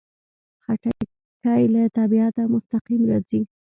خټکی له طبیعته مستقیم راځي.